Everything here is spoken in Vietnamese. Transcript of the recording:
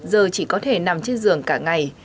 cô bé sina giờ chỉ có thể nằm trên giường cả ngày